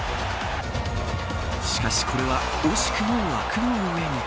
しかしこれは惜しくも枠の上に。